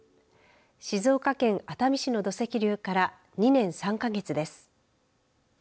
静岡県熱海市の土石流から２年３か月です。